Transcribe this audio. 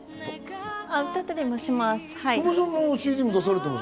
歌ったりもします。